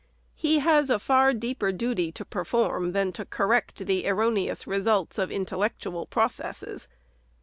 He has a far deeper duty to perform than to correct the erroneous results of intellectual pro cesses.